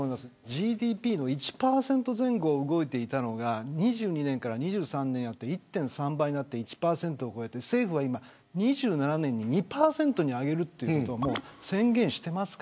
ＧＤＰの１％前後を動いていたのが２２年から２３年で１．３倍になって政府は２７年に２％にするということを宣言してます。